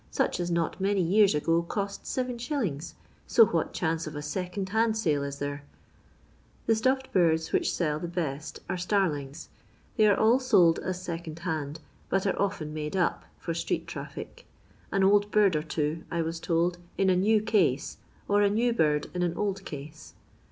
sach as not many years ago cost 7s., so what chance of a second hand sale IS there 1" The staffed birds which sell the best are starlings. They are all sold as second band, bat are often " made up" for street traffic ; an old bird or two, I was told, in a new case, or a new bird in an old case.